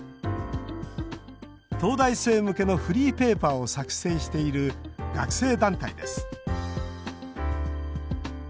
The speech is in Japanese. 東大生向けのフリーペーパーを作成している学生団体です。